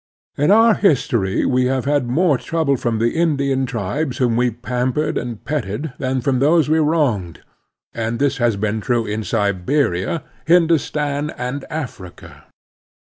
In our history we have had more trouble from the Indian tribes whom we pampered and petted than from those we wronged; and this has been true in Siberia, Hindustan, and Africa.